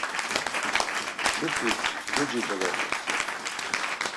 Çupis mtuci doloxes.